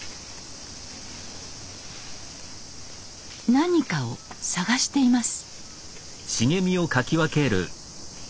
何かを探しています。